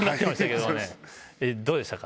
どうでしたか？